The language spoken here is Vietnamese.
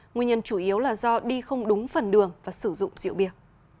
nguyên nhân chủ yếu là do đi không đúng phần đường và sử dụng diệu biệt